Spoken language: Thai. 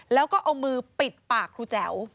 แล้วก็เอามือปิดปากครูแจ๋ว